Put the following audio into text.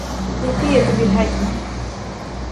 Який я тобі гетьман?